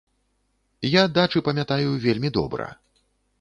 Я дачы памятаю вельмі добра.